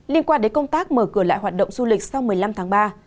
liên quan đến công tác mở cửa lại hoạt động du lịch sau một mươi năm tháng ba